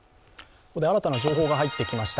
ここで新たな情報が入ってきました。